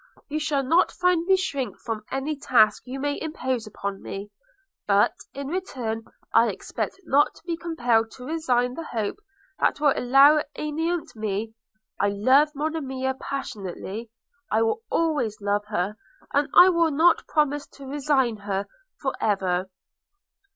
You shall not find me shrink from any task you may impose upon me. But, in return, I expect not to be compelled to resign the hope that will alone animate me – I love Monimia passionately; I shall always love her; and I will not promise to resign her for ever.'